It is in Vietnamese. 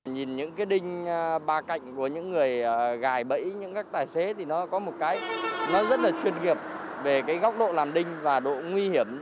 nhìn những cái đinh ba cạnh của những người gài bẫy những các tài xế thì nó có một cái nó rất là chuyên nghiệp về cái góc độ làn đinh và độ nguy hiểm